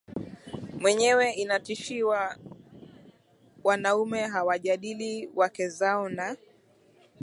mwenyewe inatishiwa Wanaume hawajadili wake zao na